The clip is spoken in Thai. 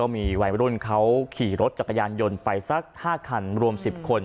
มีวัยรุ่นเขาขี่รถจักรยานยนต์ไปสัก๕คันรวม๑๐คน